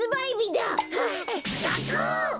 あガクッ。